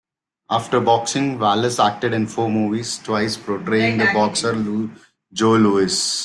After boxing, Wallace acted in four movies, twice portraying the boxer Joe Louis.